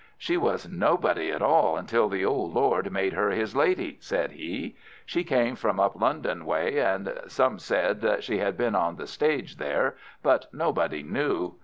"She was nobody at all until the old Lord made her his Lady," said he. "She came from up London way, and some said that she had been on the stage there, but nobody knew.